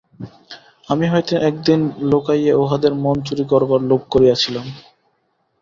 আমি হয়তো একদিন লুকাইয়া উহাদের মন চুরি করিবার লোভ করিয়াছিলাম।